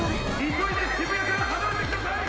急いで渋谷から離れてください！